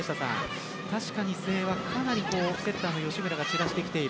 確かに誠英はかなりセッターの吉村が散らしてきている。